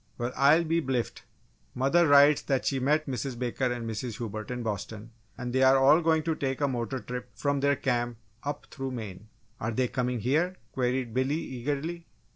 "Well! I'll be bliffed! Mother writes that she met Mrs. Baker and Mrs. Hubert in Boston and they are all going to take a motor trip from their camp up through Maine." "Are they coming here?" queried Billy, eagerly.